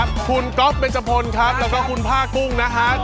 ครูก๊อตนะครับแล้วก็คุณพลาปุ้ง